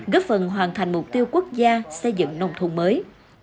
góp phần hoàn thành mục tiêu quốc gia xây dựng nông thôn mới